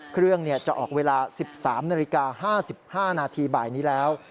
เครื่องจะออกเวลา๑๓๕๕นนี้แล้ว